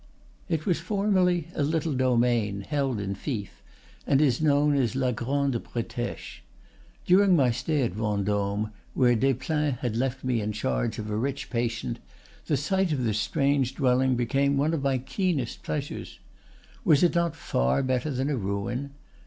"It was formerly a little domain, held in fief, and is known as La Grande Bretèche. During my stay at Vendôme, where Despleins had left me in charge of a rich patient, the sight of this strange dwelling became one of my keenest pleasures. Was it not far better than a ruin?